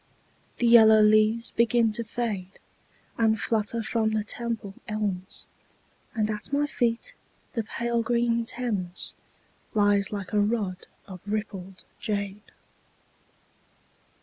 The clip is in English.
The yellow leaves begin to fade And flutter from the Temple elms, And at my feet the pale green Thames Lies like a rod of rippled jade.